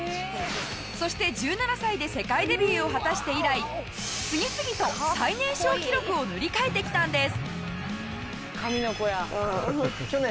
そして１７歳で世界デビューを果たして以来次々と最年少記録を塗り替えてきたんです。